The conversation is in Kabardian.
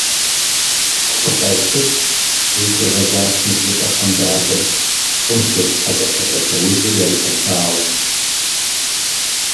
— Фыкъеплъыт! — захуигъэзащ ныбжьыщӀэхэм дадэ, щӀым телъ хьэкӀэкхъуэкӀэ лъэужьыр яригъэлъагъуу.